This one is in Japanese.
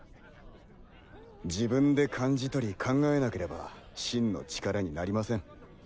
自分で感じとり考えなければ真の力になりません。